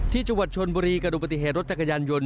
ที่จังหวัดชนบุรีกระดูกปฏิเหตุรถจักรยานยนต